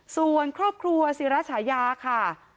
ส่วนครอบครัวศิราชายาค่ะ